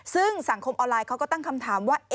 ซึ่งสังคมออนไลน์เขาก็ตั้งคำถามว่า